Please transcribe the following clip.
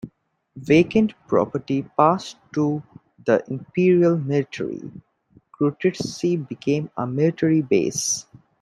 Vacant property passed to the Imperial Military; Krutitsy became a military base.